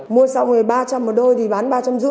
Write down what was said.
mua xong rồi ba trăm linh một đôi thì bán ba trăm năm mươi